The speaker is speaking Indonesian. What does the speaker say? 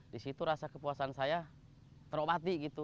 di situ rasa kepuasan saya terobati gitu